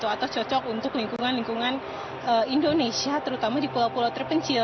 atau cocok untuk lingkungan lingkungan indonesia terutama di pulau pulau terpencil